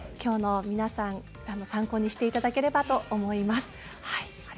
皆さん参考にしていただければと思います。